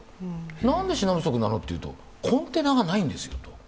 何で品不足なのというと、コンテナがないんですよと。